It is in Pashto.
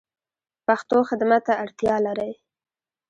پښتو خدمت ته اړتیا لری